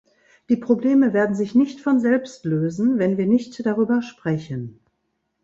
Die Probleme werden sich nicht von selbst lösen, wenn wir nicht darüber sprechen.